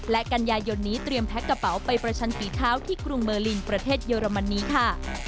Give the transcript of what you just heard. และกันยายนนี้เตรียมแพ็คกระเป๋าไปประชันฝีเท้าที่กรุงเบอร์ลินประเทศเยอรมนีค่ะ